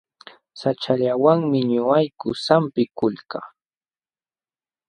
Saćhallawanmi ñuqayku sampikulkaa.